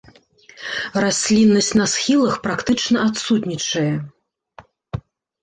Расліннасць на схілах практычна адсутнічае.